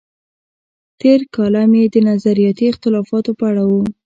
تېر کالم یې د نظریاتي اختلافاتو په اړه و.